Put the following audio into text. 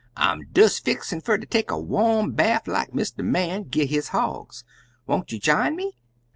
I 'm des fixin' fer ter take a warm baff like Mr. Man gi' his hogs; wont you j'ine me?'